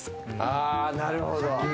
あなるほど。